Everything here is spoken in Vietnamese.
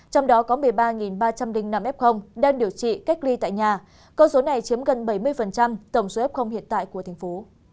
trong đó có một mươi ba ba trăm linh năm f đang điều trị cách ly tại nhà con số này chiếm gần bảy mươi tổng số f hiện tại của thành phố